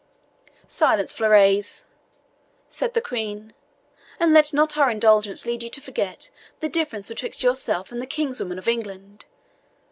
"Silence, Florise," said the Queen, "and let not our indulgence lead you to forget the difference betwixt yourself and the kinswoman of England.